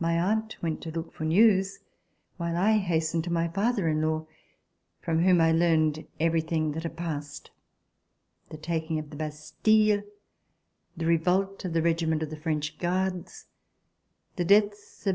My aunt went to look for news, while I hastened to my father in law, from whom I learned everything that had passed: the taking of the Bastille ; the revolt of the regiment of the French Guards; the deaths of MM.